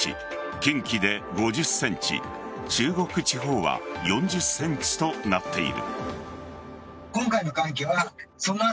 近畿で５０ｃｍ中国地方は４０ｃｍとなっている。